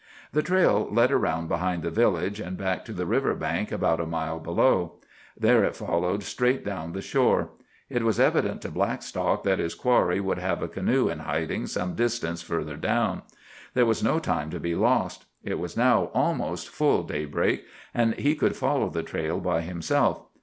The trail led around behind the village, and back to the river bank about a mile below. There it followed straight down the shore. It was evident to Blackstock that his quarry would have a canoe in hiding some distance further down. There was no time to be lost. It was now almost full daybreak, and he could follow the trail by himself.